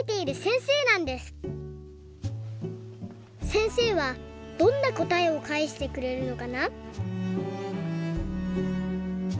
せんせいはどんなこたえをかえしてくれるのかな？